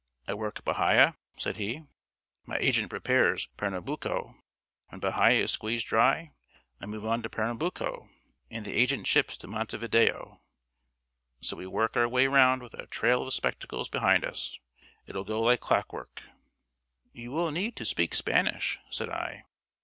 "I work Bahia," said he. "My agent prepares Pernambuco. When Bahia is squeezed dry I move on to Pernambuco, and the agent ships to Monte Video. So we work our way round with a trail of spectacles behind us. It'll go like clock work." "You will need to speak Spanish," said I.